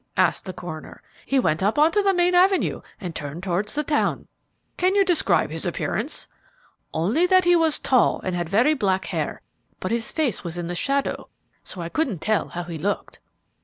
asked the coroner. "He went up onto the main avenue and turned towards the town." "Can you describe his appearance?" "Only that he was tall and had very black hair; but his face was in the shadow, so I couldn't tell how he looked."